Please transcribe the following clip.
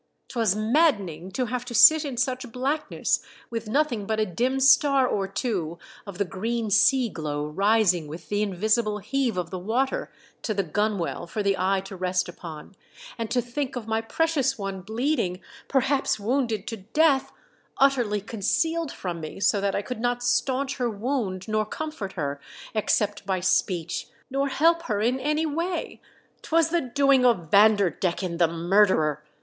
'Twas maddening to have to sit in such blackness, with nothing but a dim star or two of the green sea glow rising with the invisible heave of the water to the gunwale for the eye to rest upon, and to think of my precious one bleeding — perhaps wounded to death — utterly concealed from me, so that I could not staunch her wound, nor comfort her except by speech, nor help her in any way. 'Twas the doing of Vanderdecken ! the murderer